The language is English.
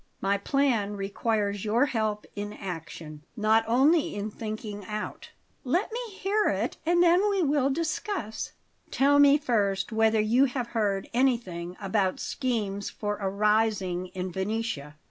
My plan requires your help in action, not only in thinking out." "Let me hear it and then we will discuss." "Tell me first whether you have heard anything about schemes for a rising in Venetia."